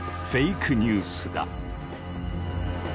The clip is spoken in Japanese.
フェイクニュースだ。